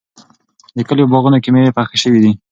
د کلي په باغونو کې مېوې پخې شوې دي.